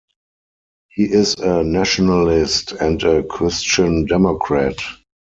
He is a nationalist and a Christian Democrat.